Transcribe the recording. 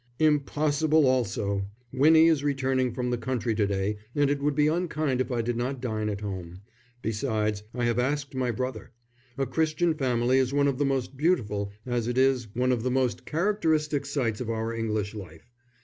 "Impossible also! Winnie is returning from the country to day, and it would be unkind if I did not dine at home. Besides, I have asked my brother. A Christian family is one of the most beautiful as it is one of the most characteristic sights of our English life.